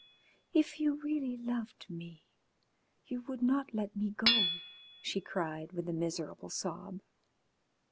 "If you really loved me you would not let me go," she cried, with a miserable sob.